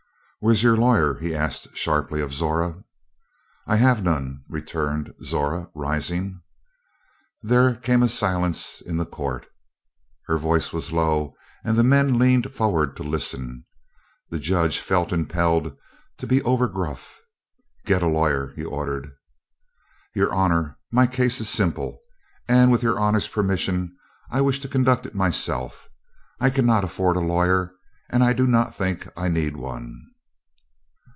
"Where's your lawyer?" he asked sharply of Zora. "I have none," returned Zora, rising. There came a silence in the court. Her voice was low, and the men leaned forward to listen. The Judge felt impelled to be over gruff. "Get a lawyer," he ordered. "Your honor, my case is simple, and with your honor's permission I wish to conduct it myself. I cannot afford a lawyer, and I do not think I need one."